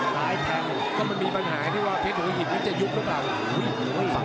หายแทนก็มันมีปัญหาที่ว่าเพชรหัวหินมันจะยุบข้างหลัง